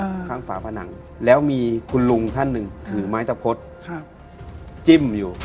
ข้างฝาผนังแล้วมีคุณลุงท่านหนึ่งถือไม้ตะพดครับจิ้มอยู่